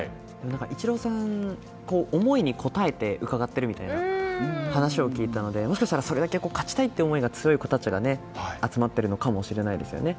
イチローさんの思いに応えてうかがっているみたいな話を聞いたのでもしかしたら、それだけ勝ちたいという気持ちが強い子たちが集まっているのかもしれないですよね。